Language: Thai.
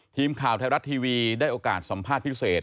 ทีมข่าวไทยรัฐทีวีได้โอกาสสัมภาษณ์พิเศษ